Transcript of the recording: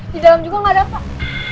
di dalam juga nggak ada pak